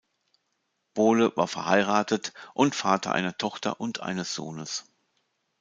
Bole war verheiratet und Vater einer Tochter und eines Sohns.